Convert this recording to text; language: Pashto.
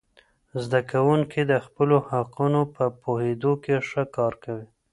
زده کوونکي د خپلو حقونو په پوهیدو کې ښه کار کوي.